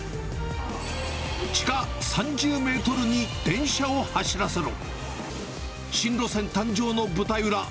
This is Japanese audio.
地下３０メートルに電車を走らせろ。